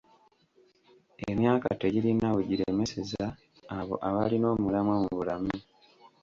Emyaka tegirina we giremeseza abo abalina omulamwa mu bulamu.